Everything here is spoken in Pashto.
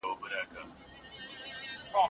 زمانه په تحقیق کي تر هر څه مهمه ده.